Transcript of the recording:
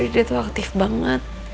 dia tuh aktif banget